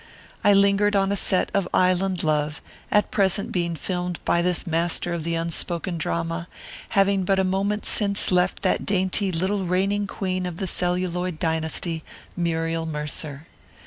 I lingered on a set of Island Love, at present being filmed by this master of the unspoken drama, having but a moment since left that dainty little reigning queen of the celluloid dynasty, Muriel Mercer.